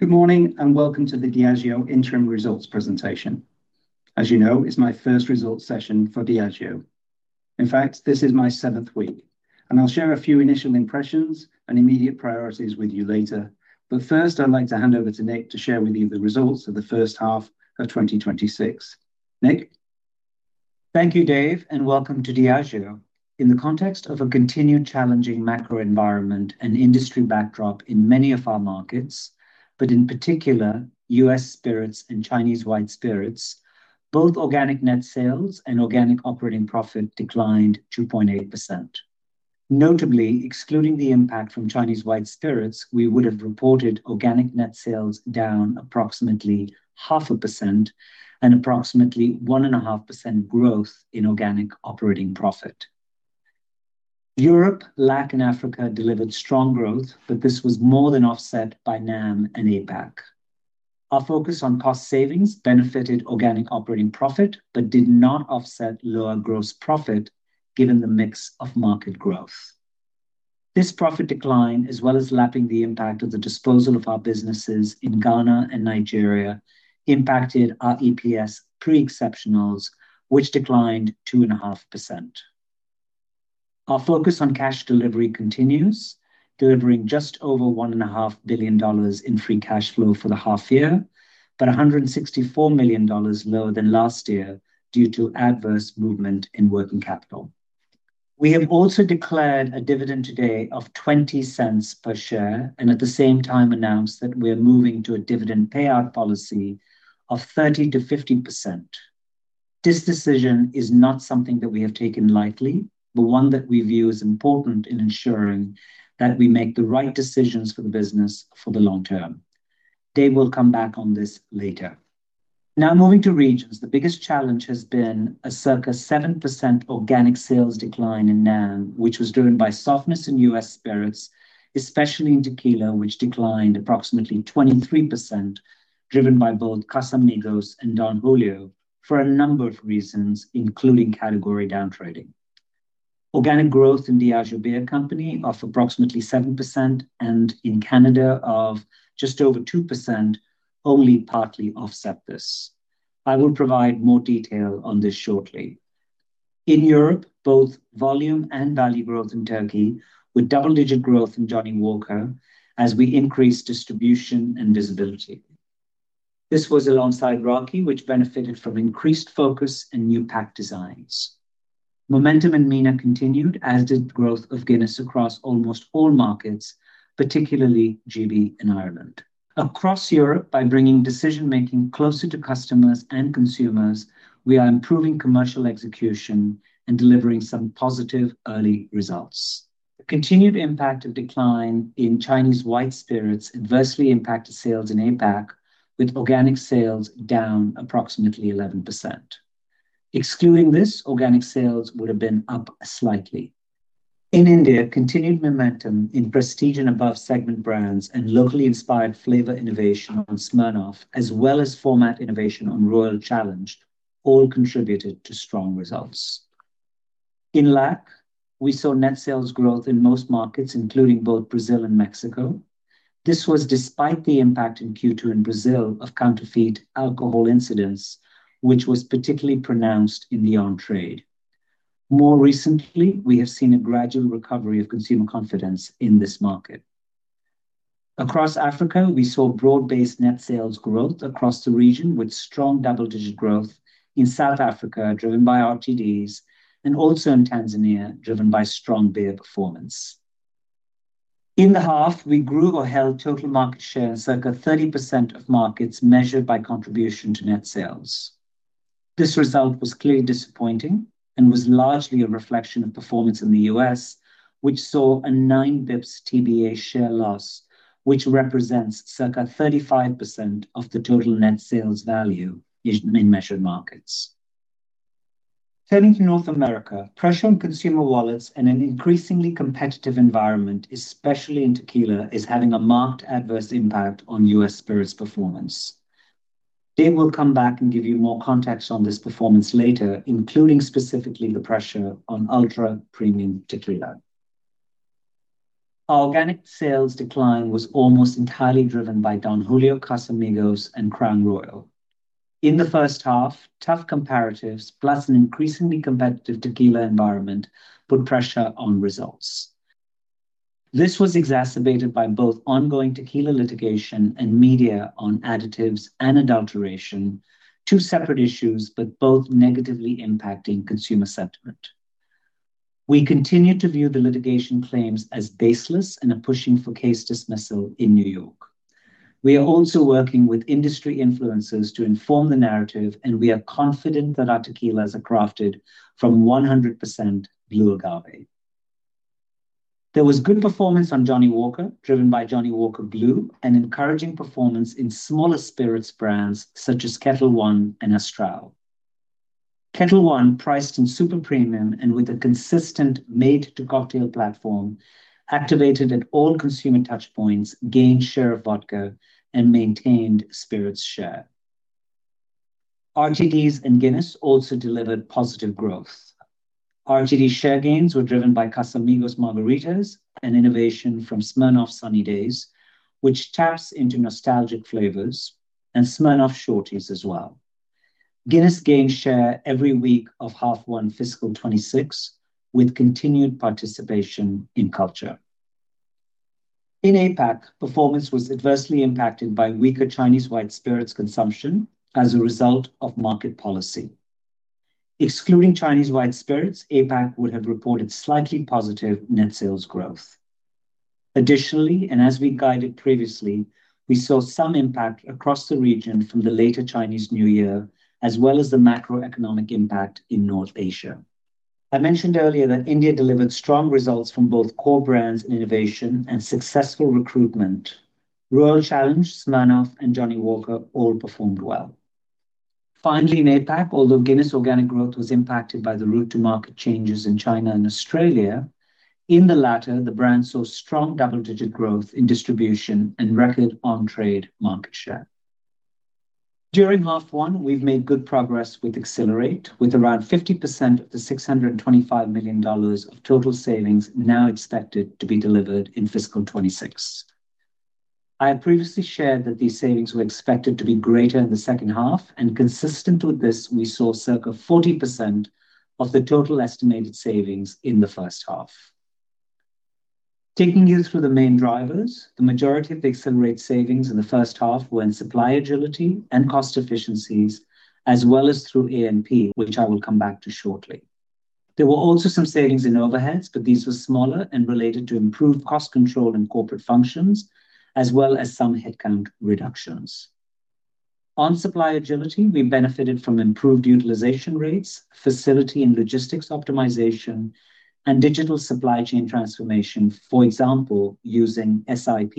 Good morning, welcome to the Diageo Interim Results presentation. As you know, it's my first results session for Diageo. In fact, this is my seventh week. I'll share a few initial impressions and immediate priorities with you later. First, I'd like to hand over to Nik to share with you the results of the first half of 2026. Nik? Thank you, Dave, and welcome to Diageo. In the context of a continued challenging macro environment and industry backdrop in many of our markets, but in particular, US Spirits and Chinese white spirits, both organic net sales and organic operating profit declined 2.8%. Notably, excluding the impact from Chinese white spirits, we would have reported organic net sales down approximately 0.5% and approximately 1.5% growth in organic operating profit. Europe, LAC, and Africa delivered strong growth, but this was more than offset by NAM and APAC. Our focus on cost savings benefited organic operating profit, but did not offset lower gross profit, given the mix of market growth. This profit decline, as well as lapping the impact of the disposal of our businesses in Ghana and Nigeria, impacted our EPS pre-exceptionals, which declined 2.5%. Our focus on cash delivery continues, delivering just over one and a half billion dollars in free cash flow for the half year, $164 million lower than last year due to adverse movement in working capital. We have also declared a dividend today of $0.20 per share, at the same time announced that we are moving to a dividend payout policy of 30%-50%. This decision is not something that we have taken lightly, but one that we view as important in ensuring that we make the right decisions for the business for the long term. Dave will come back on this later. Moving to regions, the biggest challenge has been a circa 7% organic sales decline in NAM, which was driven by softness in US Spirits, especially in Tequila, which declined approximately 23%, driven by both Casamigos and Don Julio, for a number of reasons, including category downtrading. Organic growth in Diageo Beer Company of approximately 7% and in Canada of just over 2% only partly offset this. I will provide more detail on this shortly. In Europe, both volume and value growth in Turkey, with double-digit growth in Johnnie Walker, as we increase distribution and visibility. This was alongside Rakı, which benefited from increased focus and new pack designs. Momentum in MENA continued, as did the growth of Guinness across almost all markets, particularly GB and Ireland. Across Europe, by bringing decision-making closer to customers and consumers, we are improving commercial execution and delivering some positive early results. The continued impact of decline in Chinese white spirits adversely impacted sales in APAC, with organic sales down approximately 11%. Excluding this, organic sales would have been up slightly. In India, continued momentum in prestige and above segment brands and locally inspired flavor innovation on Smirnoff, as well as format innovation on Royal Challenge, all contributed to strong results. In LAC, we saw net sales growth in most markets, including both Brazil and Mexico. This was despite the impact in Q2 in Brazil of counterfeit alcohol incidents, which was particularly pronounced in the on-trade. More recently, we have seen a gradual recovery of consumer confidence in this market. Across Africa, we saw broad-based net sales growth across the region, with strong double-digit growth in South Africa, driven by RTDs, and also in Tanzania, driven by strong beer performance. In the half, we grew or held total market share in circa 30% of markets measured by contribution to net sales. This result was clearly disappointing and was largely a reflection of performance in the U.S., which saw a 9 BPS TBA share loss, which represents circa 35% of the total net sales value in measured markets. Turning to North America, pressure on consumer wallets and an increasingly competitive environment, especially in Tequila, is having a marked adverse impact on US Spirits performance. Dave will come back and give you more context on this performance later, including specifically the pressure on ultra-premium Tequila. Organic sales decline was almost entirely driven by Don Julio, Casamigos, and Crown Royal. In the first half, tough comparatives, plus an increasingly competitive Tequila environment, put pressure on results. This was exacerbated by both ongoing Tequila litigation and media on additives and adulteration, two separate issues, but both negatively impacting consumer sentiment. We continue to view the litigation claims as baseless and are pushing for case dismissal in New York. We are also working with industry influencers to inform the narrative, and we are confident that our Tequilas are crafted from 100% blue agave. There was good performance on Johnnie Walker, driven by Johnnie Walker Blue, and encouraging performance in smaller spirits brands, such as Ketel One and Astral. Ketel One, priced in super premium and with a consistent made to cocktail platform, activated at all consumer touchpoints, gained share of vodka and maintained spirits share. RTDs and Guinness also delivered positive growth. RTD share gains were driven by Casamigos Margaritas, an innovation from Smirnoff Sunny Daze, which taps into nostalgic flavors, and Smirnoff Shorties as well. Guinness gained share every week of half one fiscal 2026, with continued participation in culture. In APAC, performance was adversely impacted by weaker Chinese white spirits consumption as a result of market policy. Excluding Chinese white spirits, APAC would have reported slightly positive net sales growth. Additionally, and as we guided previously, we saw some impact across the region from the later Chinese New Year, as well as the macroeconomic impact in North Asia. I mentioned earlier that India delivered strong results from both core brands and innovation and successful recruitment. Royal Challenge, Smirnoff, and Johnnie Walker all performed well. Finally, in APAC, although Guinness organic growth was impacted by the route to market changes in China and Australia, in the latter, the brand saw strong double-digit growth in distribution and record on-trade market share. During half one, we've made good progress with Accelerate, with around 50% of the $625 million of total savings now expected to be delivered in fiscal 2026. I had previously shared that these savings were expected to be greater in the second half. Consistent with this, we saw circa 40% of the total estimated savings in the first half. Taking you through the main drivers, the majority of the Accelerate savings in the first half were in supply agility and cost efficiencies, as well as through A&P, which I will come back to shortly. There were also some savings in overheads, but these were smaller and related to improved cost control in corporate functions, as well as some headcount reductions. On supply agility, we benefited from improved utilization rates, facility and logistics optimization, and digital supply chain transformation. For example, using SIP,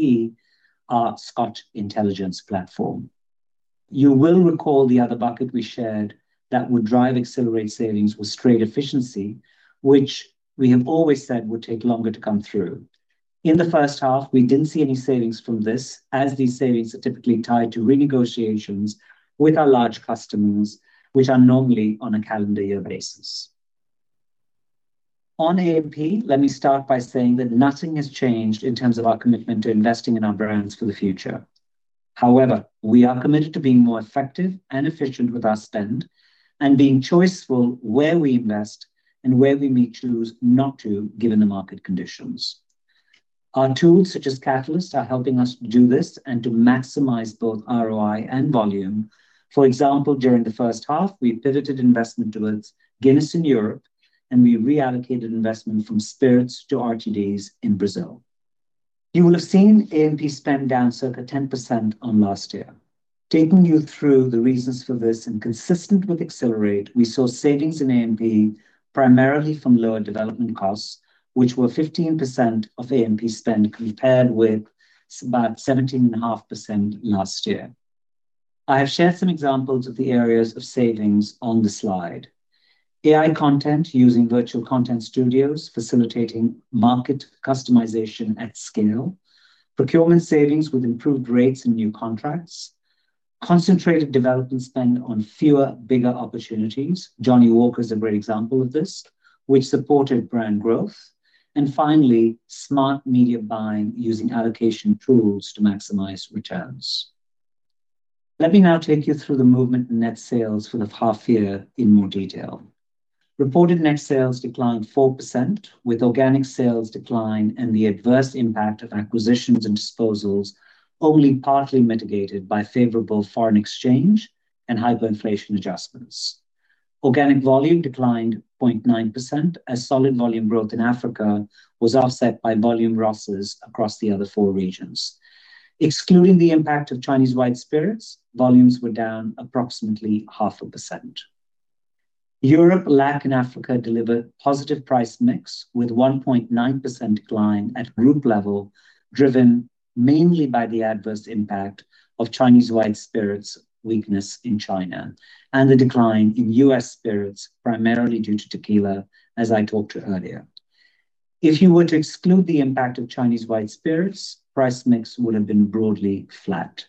our Scotch Intelligence Platform. You will recall the other bucket we shared that would drive Accelerate savings was trade efficiency, which we have always said would take longer to come through. In the first half, we didn't see any savings from this, as these savings are typically tied to renegotiations with our large customers, which are normally on a calendar year basis. On A&P, let me start by saying that nothing has changed in terms of our commitment to investing in our brands for the future. We are committed to being more effective and efficient with our spend and being choiceful where we invest and where we may choose not to, given the market conditions. Our tools, such as Catalyst, are helping us do this and to maximize both ROI and volume. During the first half, we pivoted investment towards Guinness in Europe. We reallocated investment from spirits to RTDs in Brazil. You will have seen A&P spend down circa 10% on last year. Taking you through the reasons for this, consistent with Accelerate, we saw savings in A&P, primarily from lower development costs, which were 15% of A&P spend, compared with about 17.5% last year. I have shared some examples of the areas of savings on the slide. AI content using virtual content studios, facilitating market customization at scale. Procurement savings with improved rates and new contracts. Concentrated development spend on fewer, bigger opportunities. Johnnie Walker is a great example of this, which supported brand growth. Finally, smart media buying using allocation tools to maximize returns. Let me now take you through the movement in net sales for the half year in more detail. Reported net sales declined 4%, with organic sales decline and the adverse impact of acquisitions and disposals only partly mitigated by favorable foreign exchange and hyperinflation adjustments. Organic volume declined 0.9%, as solid volume growth in Africa was offset by volume losses across the other four regions. Excluding the impact of Chinese white spirits, volumes were down approximately 0.5%. Europe, LAC and Africa delivered positive price mix, with 1.9% decline at group level, driven mainly by the adverse impact of Chinese white spirits weakness in China and the decline in US Spirits, primarily due to Tequila, as I talked to earlier. If you were to exclude the impact of Chinese white spirits, price mix would have been broadly flat.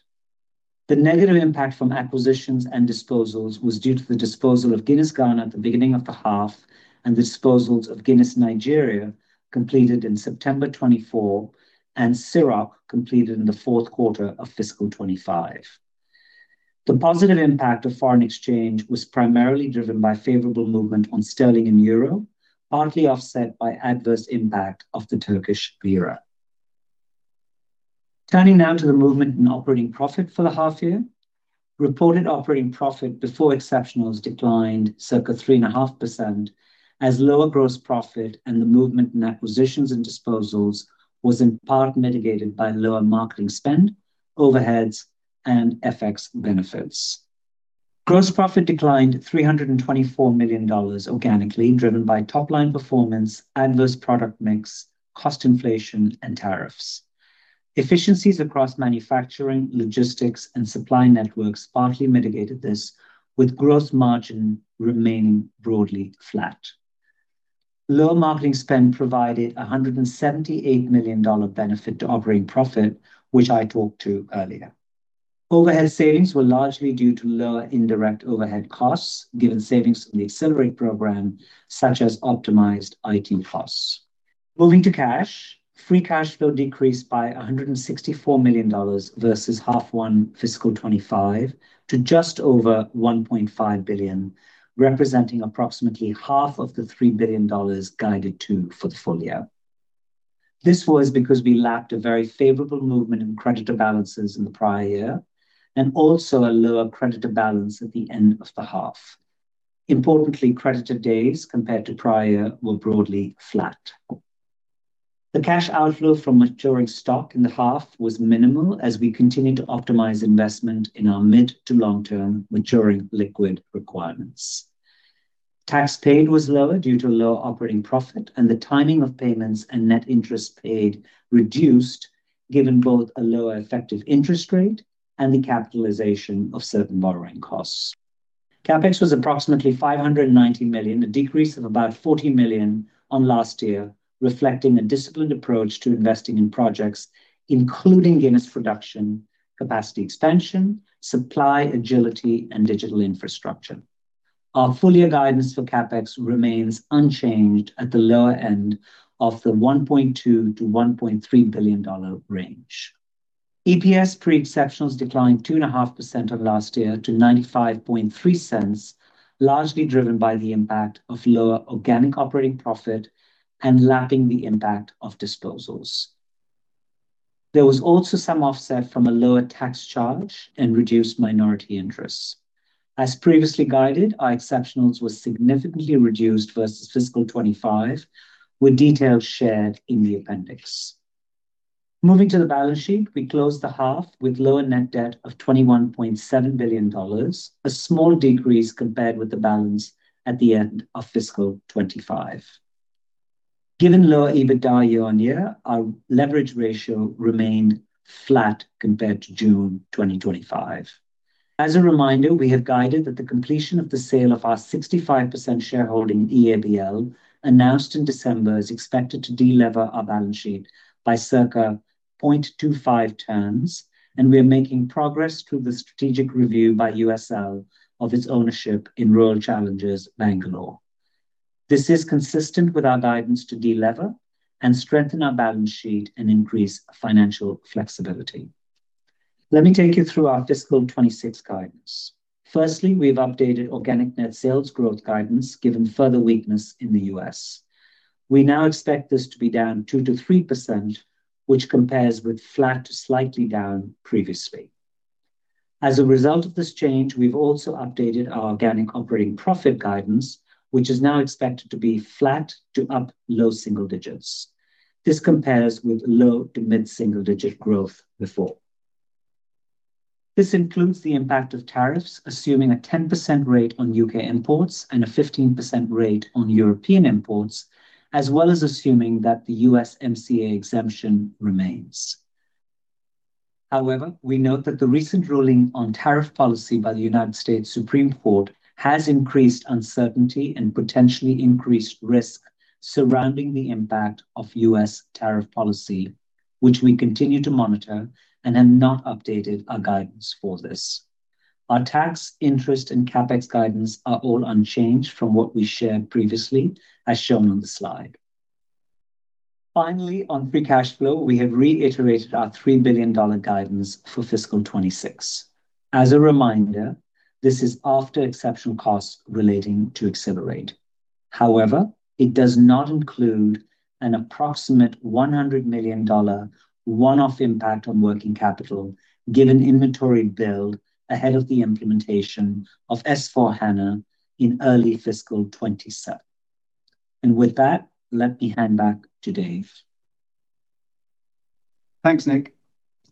The negative impact from acquisitions and disposals was due to the disposal of Guinness Ghana at the beginning of the half and the disposals of Guinness Nigeria, completed in September 2024, and CÎROC, completed in the fourth quarter of fiscal 2025. The positive impact of foreign exchange was primarily driven by favorable movement on sterling and euro, partly offset by adverse impact of the Turkish lira. Turning now to the movement in operating profit for the half year. Reported operating profit before exceptionals declined circa 3.5%, as lower gross profit and the movement in acquisitions and disposals was in part mitigated by lower marketing spend, overheads, and FX benefits. Gross profit declined $324 million organically, driven by top-line performance, adverse product mix, cost inflation, and tariffs. Efficiencies across manufacturing, logistics, and supply networks partly mitigated this, with gross margin remaining broadly flat. Lower marketing spend provided a $178 million benefit to operating profit, which I talked to earlier. Overhead savings were largely due to lower indirect overhead costs, given savings from the Accelerate program, such as optimized IT costs. Moving to cash, free cash flow decreased by $164 million versus half one fiscal 2025, to just over $1.5 billion, representing approximately half of the $3 billion guided to for the full year. This was because we lacked a very favorable movement in creditor balances in the prior year, and also a lower creditor balance at the end of the half. Importantly, creditor days compared to prior were broadly flat. The cash outflow from maturing stock in the half was minimal, as we continued to optimize investment in our mid-to-long-term maturing liquid requirements. Tax paid was lower due to lower operating profit, and the timing of payments and net interest paid reduced, given both a lower effective interest rate and the capitalization of certain borrowing costs. CapEx was approximately $590 million, a decrease of about $40 million on last year, reflecting a disciplined approach to investing in projects, including Guinness production, capacity expansion, supply agility, and digital infrastructure. Our full year guidance for CapEx remains unchanged at the lower end of the $1.2 billion-$1.3 billion range. EPS pre-exceptionals declined 2.5% on last year to $0.953, largely driven by the impact of lower organic operating profit and lapping the impact of disposals. There was also some offset from a lower tax charge and reduced minority interests. As previously guided, our exceptionals were significantly reduced versus fiscal 2025, with details shared in the appendix. Moving to the balance sheet, we closed the half with lower net debt of $21.7 billion, a small decrease compared with the balance at the end of fiscal 2025. Given lower EBITDA year-on-year, our leverage ratio remained flat compared to June 2025. As a reminder, we have guided that the completion of the sale of our 65% shareholding in EABL, announced in December, is expected to de-lever our balance sheet by circa 0.25 turns, and we are making progress through the strategic review by USL of its ownership in Royal Challengers Bangalore. This is consistent with our guidance to de-lever and strengthen our balance sheet and increase financial flexibility. Let me take you through our fiscal 2026 guidance. We've updated organic net sales growth guidance, given further weakness in the U.S. We now expect this to be down 2%-3%, which compares with flat to slightly down previously. As a result of this change, we've also updated our organic operating profit guidance, which is now expected to be flat to up low single digits. This compares with low to mid-single digit growth before. This includes the impact of tariffs, assuming a 10% rate on U.K. imports and a 15% rate on European imports, as well as assuming that the USMCA exemption remains. We note that the recent ruling on tariff policy by the Supreme Court of the United States has increased uncertainty and potentially increased risk surrounding the impact of US tariff policy, which we continue to monitor and have not updated our guidance for this. Our tax, interest, and CapEx guidance are all unchanged from what we shared previously, as shown on the slide. Finally, on free cash flow, we have reiterated our $3 billion guidance for fiscal 2026. As a reminder, this is after exceptional costs relating to Accelerate. However, it does not include an approximate $100 million one-off impact on working capital, given inventory build ahead of the implementation of S/4HANA in early fiscal 2027. With that, let me hand back to Dave. Thanks, Nik.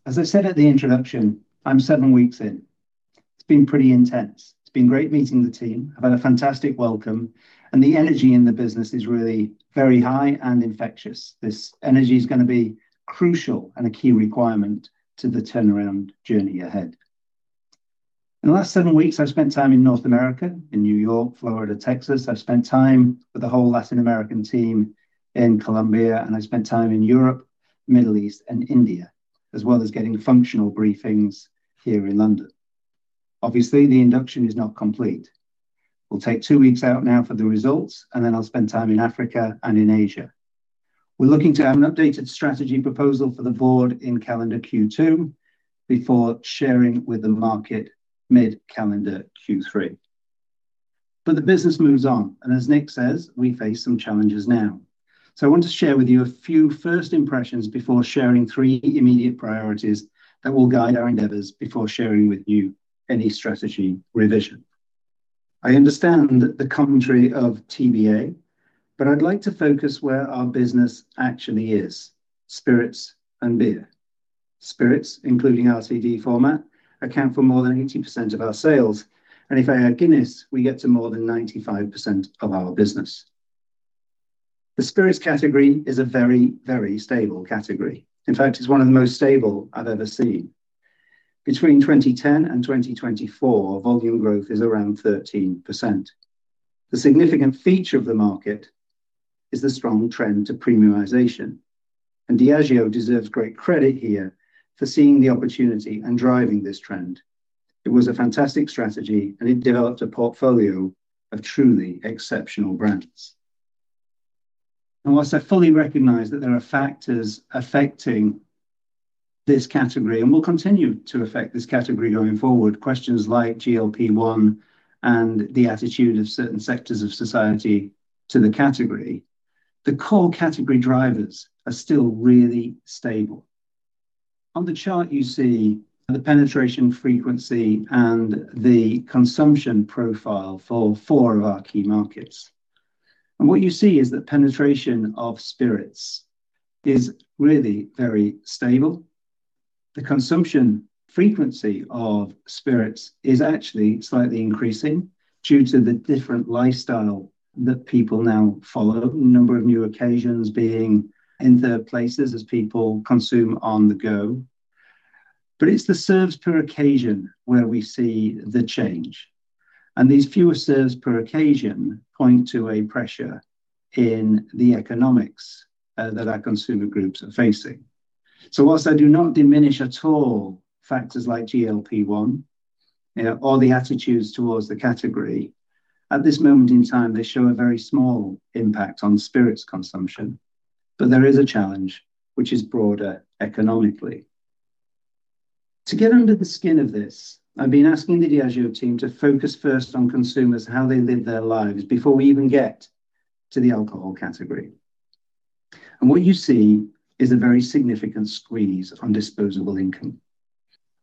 As I said at the introduction, I'm seven weeks in. It's been pretty intense. It's been great meeting the team. I've had a fantastic welcome, and the energy in the business is really very high and infectious. This energy is gonna be crucial and a key requirement to the turnaround journey ahead. In the last seven weeks, I've spent time in North America, in New York, Florida, Texas. I've spent time with the whole Latin American team in Colombia, and I've spent time in Europe, Middle East, and India, as well as getting functional briefings here in London. The induction is not complete. We'll take two weeks out now for the results, and then I'll spend time in Africa and in Asia. We're looking to have an updated strategy proposal for the board in calendar Q2 before sharing with the market mid-calendar Q3. The business moves on, and as Nik says, we face some challenges now. I want to share with you a few first impressions before sharing three immediate priorities that will guide our endeavors before sharing with you any strategy revision. I understand the commentary of TBA, but I'd like to focus where our business actually is: spirits and beer. Spirits, including RTD format, account for more than 80% of our sales, and if I add Guinness, we get to more than 95% of our business. The spirits category is a very, very stable category. In fact, it's one of the most stable I've ever seen. Between 2010 and 2024, volume growth is around 13%. The significant feature of the market is the strong trend to premiumization, and Diageo deserves great credit here for seeing the opportunity and driving this trend. It was a fantastic strategy, and it developed a portfolio of truly exceptional brands. Whilst I fully recognize that there are factors affecting this category and will continue to affect this category going forward, questions like GLP-1 and the attitude of certain sectors of society to the category, the core category drivers are still really stable. On the chart, you see the penetration frequency and the consumption profile for four of our key markets, and what you see is that penetration of Spirits is really very stable. The consumption frequency of Spirits is actually slightly increasing due to the different lifestyle that people now follow. A number of new occasions being in third places as people consume on the go. It's the serves per occasion where we see the change, and these fewer serves per occasion point to a pressure in the economics that our consumer groups are facing. Whilst I do not diminish at all factors like GLP-1, you know, or the attitudes towards the category, at this moment in time, they show a very small impact on Spirits consumption, but there is a challenge which is broader economically. To get under the skin of this, I've been asking the Diageo team to focus first on consumers, how they live their lives, before we even get to the alcohol category. What you see is a very significant squeeze on disposable income.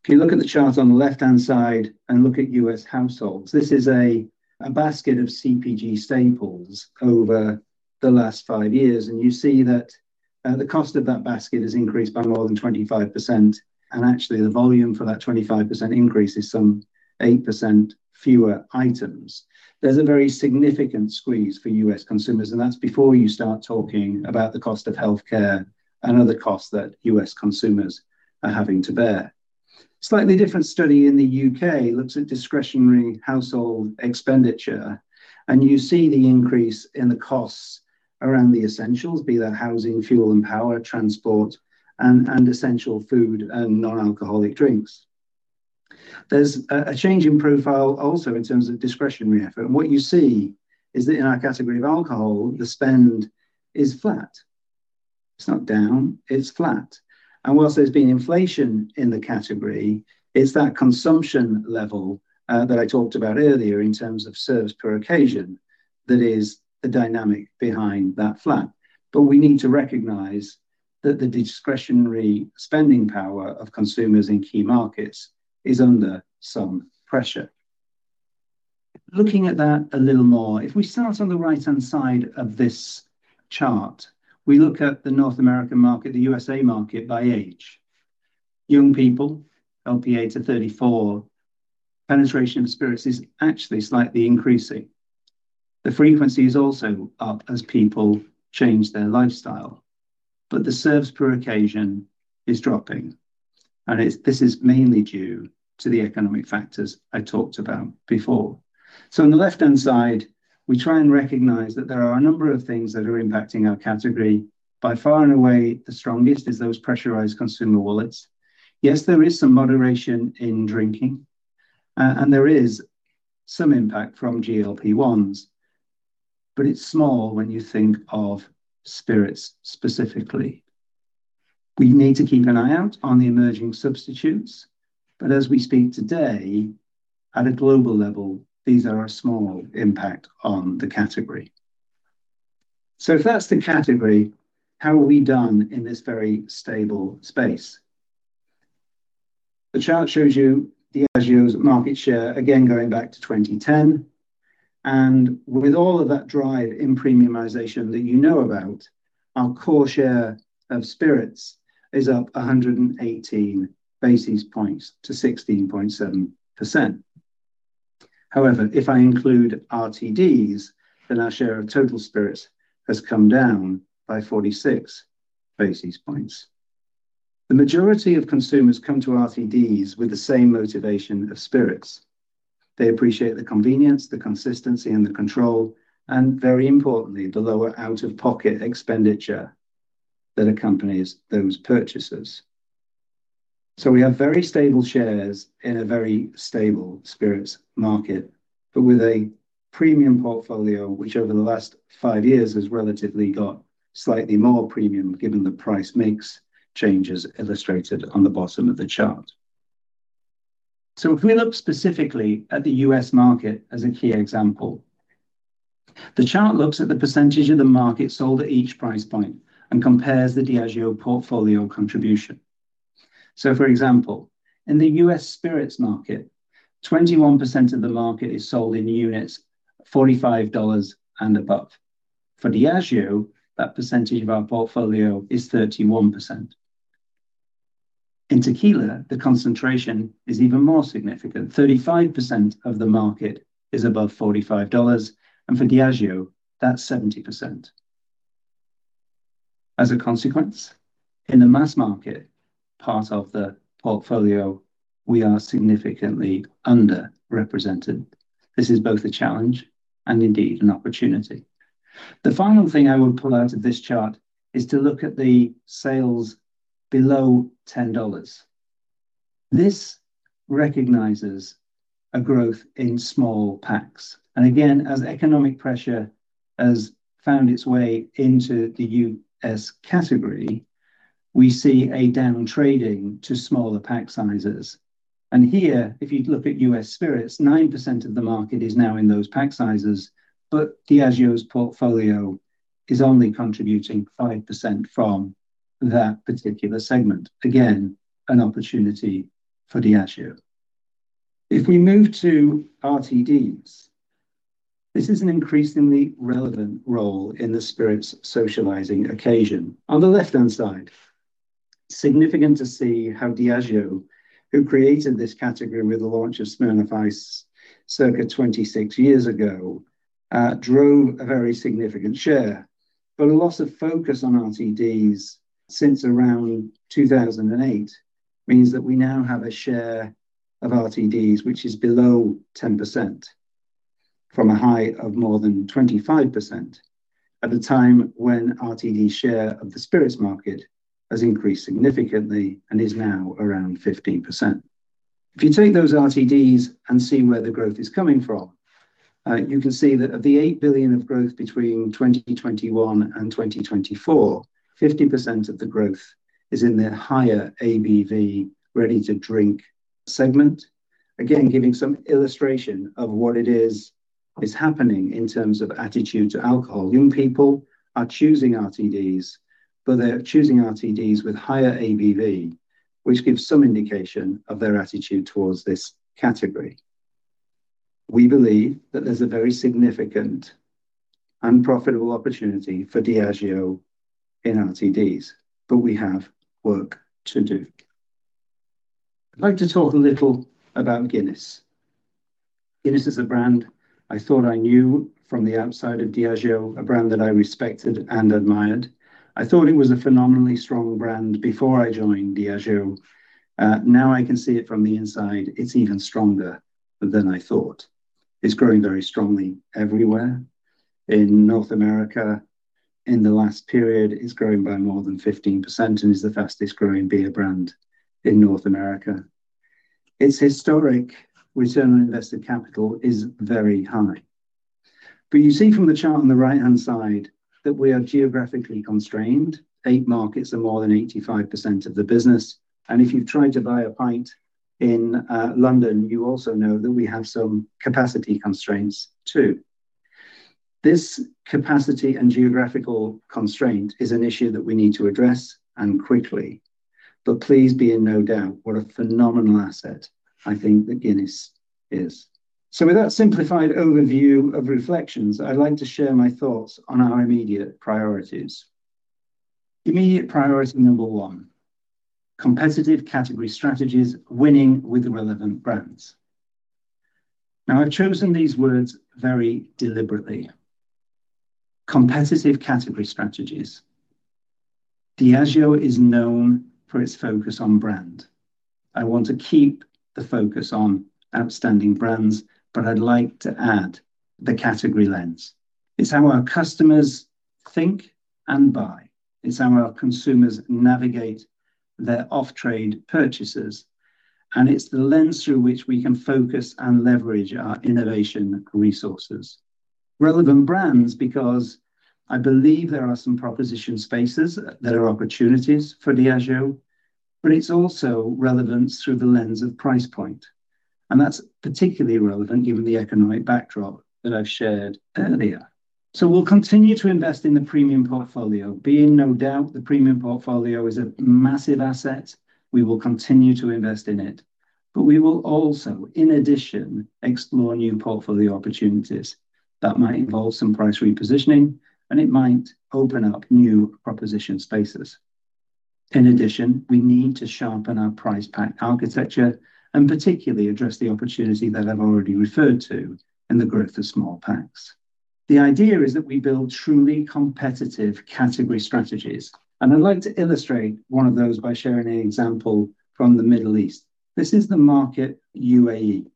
If you look at the chart on the left-hand side and look at U.S. households, this is a basket of CPG staples over the last five years, and you see that the cost of that basket has increased by more than 25%, and actually, the volume for that 25% increase is some 8% fewer items. There's a very significant squeeze for U.S. consumers, and that's before you start talking about the cost of healthcare and other costs that U.S. consumers are having to bear. Slightly different study in the U.K. looks at discretionary household expenditure, and you see the increase in the costs around the essentials, be that housing, fuel and power, transport, and essential food and non-alcoholic drinks. There's a change in profile also in terms of discretionary effort. What you see is that in our category of alcohol, the spend is flat. It's not down, it's flat. Whilst there's been inflation in the category, it's that consumption level that I talked about earlier in terms of serves per occasion, that is the dynamic behind that flat. We need to recognize that the discretionary spending power of consumers in key markets is under some pressure. Looking at that a little more, if we start on the right-hand side of this chart, we look at the North American market, the USA market, by age. Young people, of the age of 34, penetration of spirits is actually slightly increasing. The frequency is also up as people change their lifestyle, but the serves per occasion is dropping, and this is mainly due to the economic factors I talked about before. On the left-hand side, we try and recognize that there are a number of things that are impacting our category. By far and away, the strongest is those pressurized consumer wallets. Yes, there is some moderation in drinking, and there is some impact from GLP-1s, but it's small when you think of Spirits specifically. We need to keep an eye out on the emerging substitutes, but as we speak today, at a global level, these are a small impact on the category. If that's the category, how have we done in this very stable space? The chart shows you Diageo's market share, again, going back to 2010, with all of that drive in premiumization that you know about, our core share of Spirits is up 118 basis points to 16.7%. However, if I include RTDs, then our share of total Spirits has come down by 46 basis points. The majority of consumers come to RTDs with the same motivation of Spirits. They appreciate the convenience, the consistency, and the control, and very importantly, the lower out-of-pocket expenditure that accompanies those purchases. We have very stable shares in a very stable Spirits market, but with a premium portfolio, which over the last five years has relatively got slightly more premium, given the price mix changes illustrated on the bottom of the chart. If we look specifically at the U.S. market as a key example, the chart looks at the percentage of the market sold at each price point and compares the Diageo portfolio contribution. For example, in the US Spirits market, 21% of the market is sold in units, $45 and above. For Diageo, that percentage of our portfolio is 31%. In Tequila, the concentration is even more significant. 35% of the market is above $45, and for Diageo, that's 70%. As a consequence, in the mass market, part of the portfolio, we are significantly underrepresented. This is both a challenge and indeed an opportunity. The final thing I will pull out of this chart is to look at the sales below $10. This recognizes a growth in small packs, again, as economic pressure has found its way into the U.S. category, we see a down trading to smaller pack sizes. Here, if you look at US Spirits, 9% of the market is now in those pack sizes, but Diageo's portfolio is only contributing 5% from that particular segment. If we move to RTDs, this is an increasingly relevant role in the Spirits socializing occasion. On the left-hand side, significant to see how Diageo, who created this category with the launch of Smirnoff Ice, circa 26 years ago, drove a very significant share. A loss of focus on RTDs since around 2008, means that we now have a share of RTDs, which is below 10%, from a high of more than 25%, at a time when RTD share of the spirits market has increased significantly and is now around 15%. If you take those RTDs and see where the growth is coming from, you can see that of the $8 billion of growth between 2021 and 2024, 50% of the growth is in their higher ABV, ready-to-drink segment. Again, giving some illustration of what is happening in terms of attitude to alcohol. Young people are choosing RTDs, but they're choosing RTDs with higher ABV, which gives some indication of their attitude towards this category. We believe that there's a very significant and profitable opportunity for Diageo in RTDs, but we have work to do. I'd like to talk a little about Guinness. Guinness is a brand I thought I knew from the outside of Diageo, a brand that I respected and admired. I thought it was a phenomenally strong brand before I joined Diageo. Now, I can see it from the inside, it's even stronger than I thought. It's growing very strongly everywhere. In North America, in the last period, it's growing by more than 15% and is the fastest-growing beer brand in North America. Its historic return on invested capital is very high. You see from the chart on the right-hand side, that we are geographically constrained. Eight markets are more than 85% of the business, and if you've tried to buy a pint in London, you also know that we have some capacity constraints, too. This capacity and geographical constraint is an issue that we need to address, and quickly, but please be in no doubt what a phenomenal asset I think that Guinness is. With that simplified overview of reflections, I'd like to share my thoughts on our immediate priorities. Immediate priority number one: competitive category strategies, winning with relevant brands. I've chosen these words very deliberately. Competitive category strategies. Diageo is known for its focus on brand. I want to keep the focus on outstanding brands, but I'd like to add the category lens. It's how our customers think and buy. It's how our consumers navigate their off-trade purchases, and it's the lens through which we can focus and leverage our innovation resources. Relevant brands, because I believe there are some proposition spaces that are opportunities for Diageo, but it's also relevance through the lens of price point, and that's particularly relevant given the economic backdrop that I've shared earlier. We'll continue to invest in the premium portfolio. Be in no doubt, the premium portfolio is a massive asset. We will continue to invest in it, but we will also, in addition, explore new portfolio opportunities. That might involve some price repositioning, and it might open up new proposition spaces. In addition, we need to sharpen our price pack architecture and particularly address the opportunity that I've already referred to in the growth of small packs. The idea is that we build truly competitive category strategies, and I'd like to illustrate one of those by sharing an example from the Middle East. This is the market, UAE.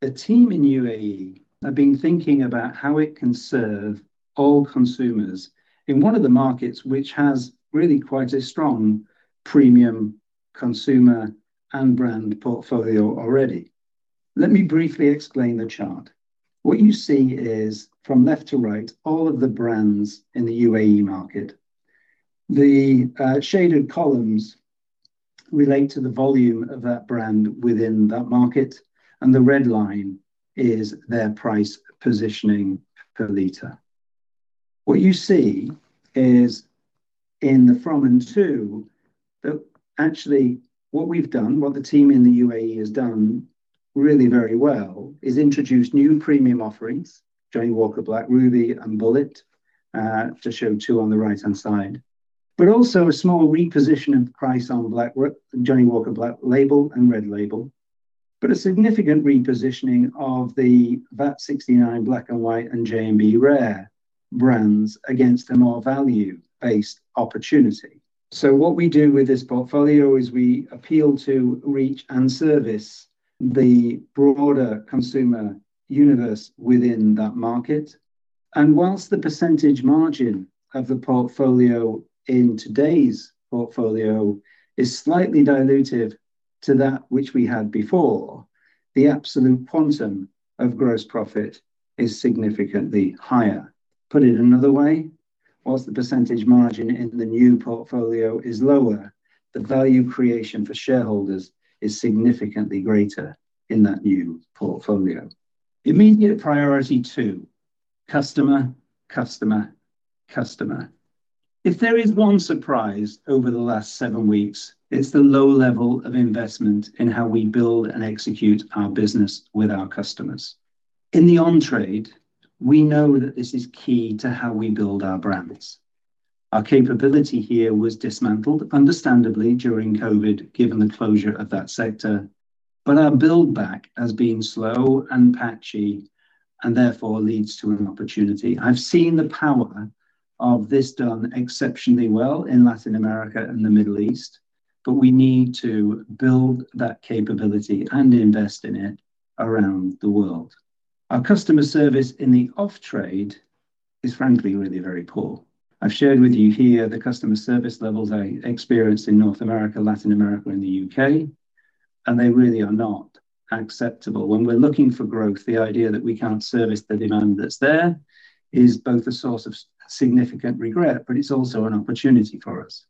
The team in UAE have been thinking about how it can serve all consumers in one of the markets, which has really quite a strong premium consumer and brand portfolio already. Let me briefly explain the chart. What you see is, from left to right, all of the brands in the UAE market. The shaded columns relate to the volume of that brand within that market, and the red line is their price positioning per liter. What you see is in the from and to, that actually, what we've done, what the team in the UAE has done really very well, is introduce new premium offerings, Johnnie Walker Black Ruby and Bulleit, to show two on the right-hand side. Also a small reposition of price on Johnnie Walker Black Label and Red Label. A significant repositioning of the Vat 69, Black & White and J&B Rare brands against a more value-based opportunity. What we do with this portfolio is we appeal to reach and service the broader consumer universe within that market. Whilst the percentage margin of the portfolio in today's portfolio is slightly dilutive to that which we had before, the absolute quantum of gross profit is significantly higher. Put it another way, while the % margin in the new portfolio is lower, the value creation for shareholders is significantly greater in that new portfolio. Immediate priority two: customer, customer. If there is one surprise over the last seven weeks, it's the low level of investment in how we build and execute our business with our customers. In the on-trade, we know that this is key to how we build our brands. Our capability here was dismantled, understandably, during COVID, given the closure of that sector, but our build back has been slow and patchy, and therefore leads to an opportunity. I've seen the power of this done exceptionally well in Latin America and the Middle East, but we need to build that capability and invest in it around the world. Our customer service in the off-trade is, frankly, really very poor. I've shared with you here the customer service levels I experienced in North America, Latin America, and the U.K. They really are not acceptable. When we're looking for growth, the idea that we can't service the demand that's there is both a source of significant regret, but it's also an opportunity for us.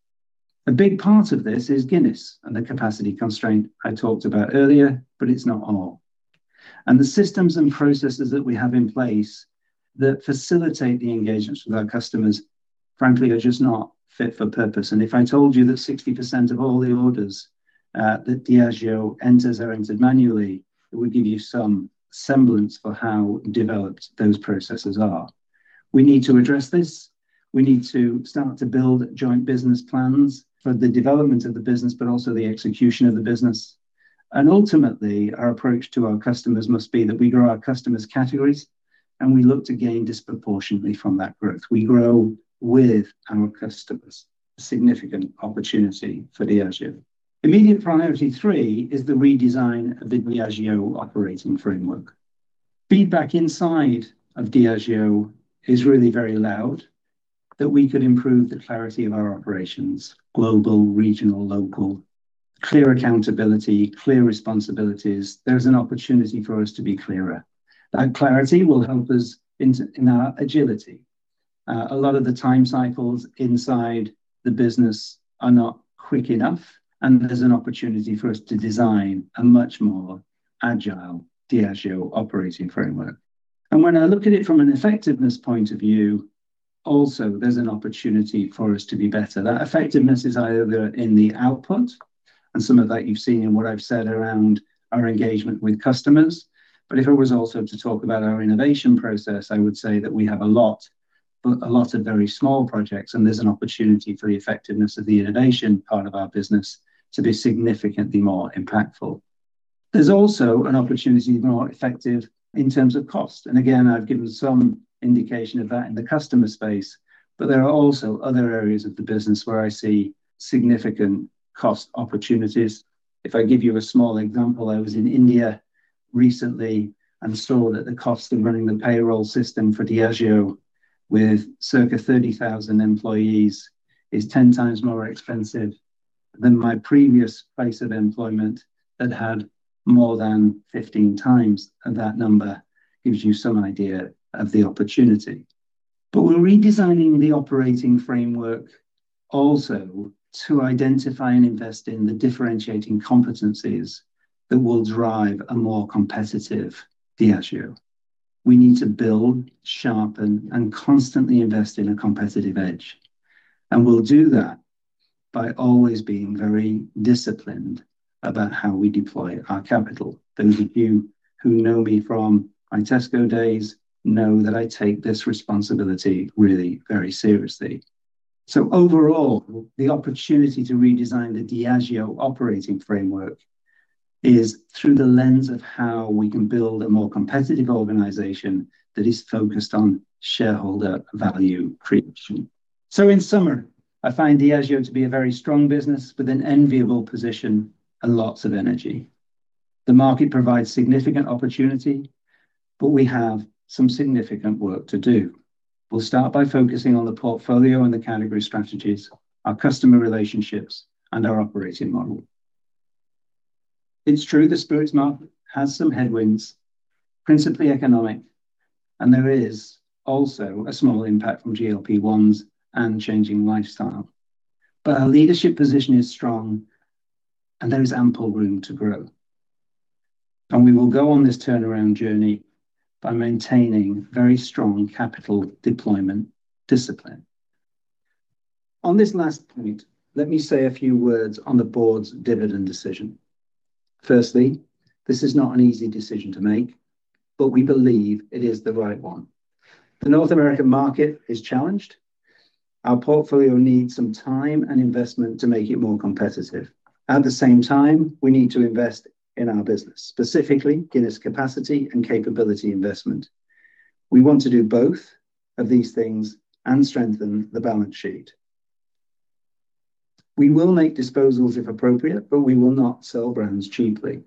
A big part of this is Guinness and the capacity constraint I talked about earlier, but it's not all. The systems and processes that we have in place that facilitate the engagements with our customers, frankly, are just not fit for purpose. If I told you that 60% of all the orders that Diageo enters are entered manually, it would give you some semblance for how developed those processes are. We need to address this. We need to start to build joint business plans for the development of the business, but also the execution of the business. Ultimately, our approach to our customers must be that we grow our customers' categories, and we look to gain disproportionately from that growth. We grow with our customers. Significant opportunity for Diageo. Immediate priority three is the redesign of the Diageo operating framework. Feedback inside of Diageo is really very loud, that we could improve the clarity of our operations, global, regional, local, clear accountability, clear responsibilities. There's an opportunity for us to be clearer. That clarity will help us in our agility. A lot of the time cycles inside the business are not quick enough, and there's an opportunity for us to design a much more agile Diageo operating framework. When I look at it from an effectiveness point of view, also, there's an opportunity for us to be better. That effectiveness is either in the output, and some of that you've seen in what I've said around our engagement with customers. If I was also to talk about our innovation process, I would say that we have a lot, but a lot of very small projects, and there's an opportunity for the effectiveness of the innovation part of our business to be significantly more impactful. There's also an opportunity to be more effective in terms of cost, and again, I've given some indication of that in the customer space, but there are also other areas of the business where I see significant cost opportunities. If I give you a small example, I was in India recently and saw that the cost of running the payroll system for Diageo, with circa 30,000 employees, is 10 times more expensive than my previous place of employment that had more than 15 times, and that number gives you some idea of the opportunity. We're redesigning the operating framework also to identify and invest in the differentiating competencies that will drive a more competitive Diageo. We need to build, sharpen, and constantly invest in a competitive edge, and we'll do that by always being very disciplined about how we deploy our capital. Those of you who know me from my Tesco days know that I take this responsibility really very seriously. Overall, the opportunity to redesign the Diageo operating framework is through the lens of how we can build a more competitive organization that is focused on shareholder value creation. In summer, I find Diageo to be a very strong business with an enviable position and lots of energy. The market provides significant opportunity, but we have some significant work to do. We'll start by focusing on the portfolio and the category strategies, our customer relationships, and our operating model. It's true the spirits market has some headwinds, principally economic, and there is also a small impact from GLP-1s and changing lifestyle. Our leadership position is strong, and there is ample room to grow, and we will go on this turnaround journey by maintaining very strong capital deployment discipline. On this last point, let me say a few words on the board's dividend decision. This is not an easy decision to make. We believe it is the right one. The North American market is challenged. Our portfolio needs some time and investment to make it more competitive. At the same time, we need to invest in our business, specifically, Guinness capacity and capability investment. We want to do both of these things and strengthen the balance sheet. We will make disposals if appropriate. We will not sell brands cheaply.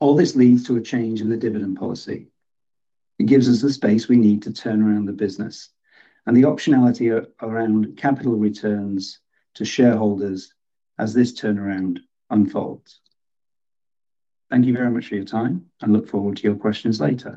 All this leads to a change in the dividend policy. It gives us the space we need to turn around the business and the optionality around capital returns to shareholders as this turnaround unfolds. Thank you very much for your time. Look forward to your questions later.